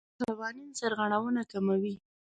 قوانین سرغړونه کموي.